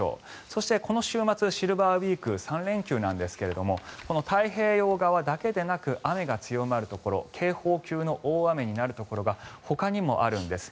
そして、この週末シルバーウィーク３連休なんですけど太平洋側だけでなく雨が強まるところ警報級の大雨になるところがほかにもあるんです。